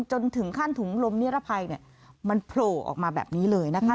จนถึงขั้นถุงลมนิรภัยเนี่ยมันโผล่ออกมาแบบนี้เลยนะคะ